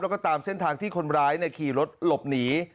แล้วก็ตามเส้นทางที่คนร้ายขี่รถหลบหนี